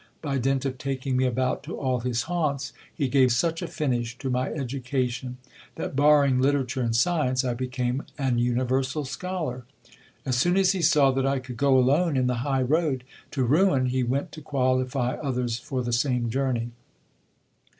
By dint of taking me about to all his haunts, he gave such a finish to my education, that barring literature and science, I be came an universal scholar. As soon as he saw that I could go alone in the high road to ruin he went to qualify others for the same journey.